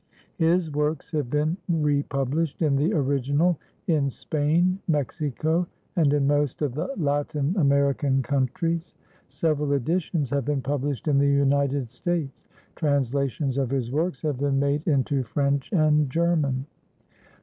His works have been republished in the original in Spain, Mexico and in most of the Latin American countries; several editions have been published in the United States; translations of his works have been made into French and German.